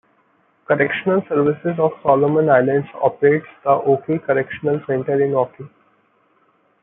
Correctional Services of Solomon Islands operates the Auki Correctional Centre in Auki.